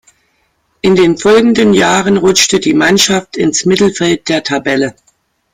In den folgenden Jahren rutschte die Mannschaft ins Mittelfeld der Tabelle.